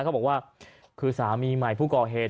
เขาบอกว่าคือสามีใหม่ผู้ก่อเหตุ